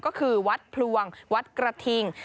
ก็คือวัดพลวงวัดกระทิง